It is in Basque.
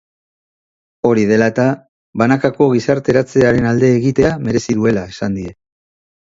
Hori dela eta, banakako gizarteratzearen alde egitea merezi duela esan die.